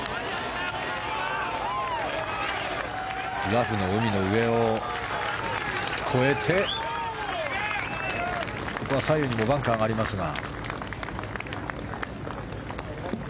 ラフの海の上を越えて左右にもバンカーがありますが。